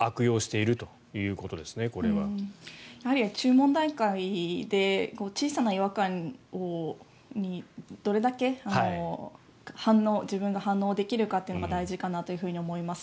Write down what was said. あるいは注文段階で小さな違和感にどれだけ自分が反応できるかっていうのが大事かなと思います。